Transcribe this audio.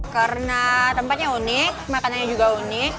karena tempatnya unik makanannya juga unik